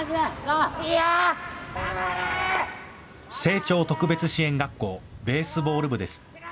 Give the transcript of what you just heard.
青鳥特別支援学校ベースボール部です。